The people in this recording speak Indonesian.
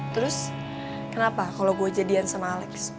terus kenapa kalo gue jadian sama alec